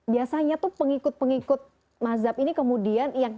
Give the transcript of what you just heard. biasanya tuh pengikut pengikut mazhab ini kemudian yang